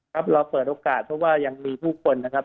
ครับเราเปิดโอกาสเพราะว่ายังมีผู้คนนะครับ